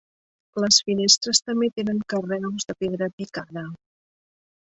Les finestres també tenen carreus de pedra picada.